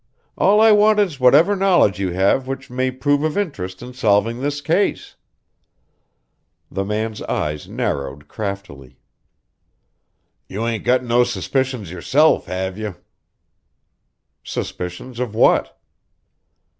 All I want is whatever knowledge you have which may prove of interest in solving this case." The man's eyes narrowed craftily. "You ain't got no suspicions yourself, have you?" "Suspicions of what?"